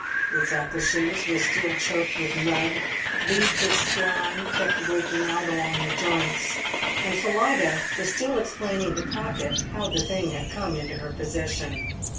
Its apertures were still choked with mud; beads of slime kept breaking out along the joints. And Phillida was still explaining to Pocket how the thing had come into her possession.